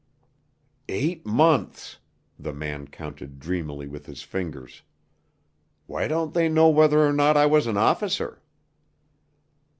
"Eight months," the man counted dreamily with his fingers. "Why don't they know whether or not I was an officer?"